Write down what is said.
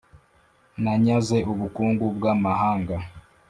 Nanyaze ubukungu bw’amahanga,